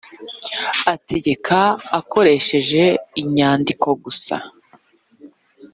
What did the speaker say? ategeka akoresheje inyandiko gusa